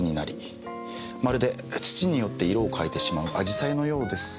まるで土によって色を変えてしまう紫陽花のようです。